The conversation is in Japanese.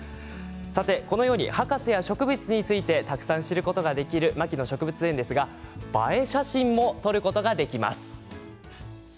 このように博士や植物についてたくさん知ることができる牧野植物園ですが映え写真も撮ることができます。